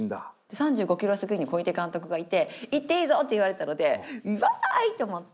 ３５ｋｍ過ぎに小出監督がいて「行っていいぞ！」って言われたので「わい！」って思って。